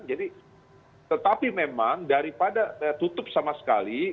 jadi tetapi memang daripada tutup sama sekali